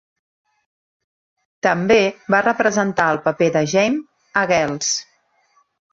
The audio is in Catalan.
També va representar el paper de Jame a "Girls".